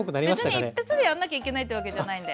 別に一発でやんなきゃいけないってわけじゃないんで。